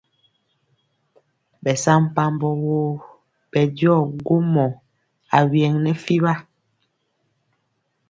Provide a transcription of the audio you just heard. Ɓɛsampabɔ woo ɓɛ jɔ gwomɔ awyɛŋ nɛ fiɓa.